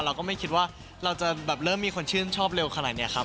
เราก็ไม่คิดว่าเราจะแบบเริ่มมีคนชื่นชอบเร็วขนาดนี้ครับ